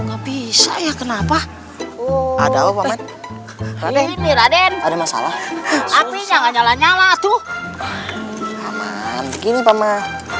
nggak bisa ya kenapa ada apaan ini raden ada masalah apinya nyala nyala tuh gini paman